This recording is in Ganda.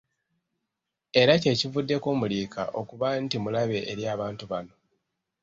Era kye kivuddeko Muliika okuba nti mulabe eri abantu bano.